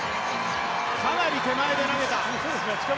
かなり手前で投げた。